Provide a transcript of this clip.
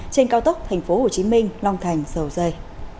trên cao tốc thành phố hồ chí minh long thành sầu dây